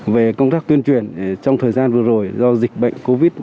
về công tác tuyên truyền trong thời gian vừa rồi do dịch bệnh covid